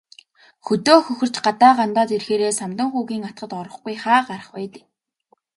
Хөдөө хөхөрч, гадаа гандаад ирэхээрээ Самдан хүүгийн атгад орохгүй хаа гарах вэ дээ.